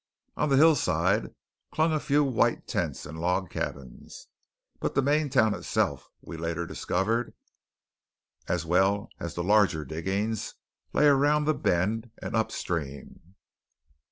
On the hillside clung a few white tents and log cabins; but the main town itself, we later discovered, as well as the larger diggings, lay around the bend and upstream.